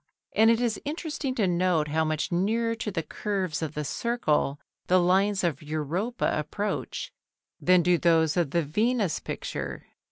And it is interesting to note how much nearer to the curves of the circle the lines of Europa approach than do those of the Venus picture.